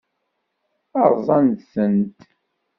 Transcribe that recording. Ṛṛẓant-tent?